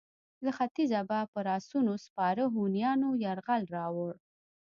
له ختیځه به پر اسونو سپاره هونیانو یرغل راووړ.